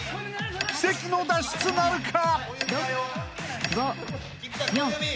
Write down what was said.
［奇跡の脱出なるか？］